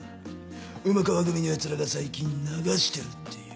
馬川組のヤツらが最近流してるっていう。